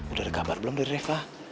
udah ada kabar belum dari rifa